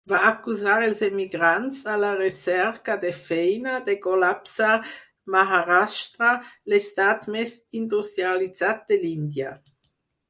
Va acusar els emigrants a la recerca de feina, de col·lapsar Maharashtra, l'estat més industrialitzat de l'Índia.